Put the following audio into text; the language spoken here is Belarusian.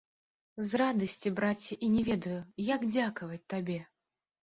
З радасці, браце, і не ведаю, як дзякаваць табе.